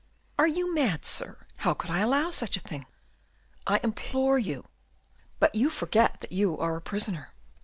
"Are you mad, Sir? How could I allow such a thing?" "I implore you." "But you forget that you are a prisoner."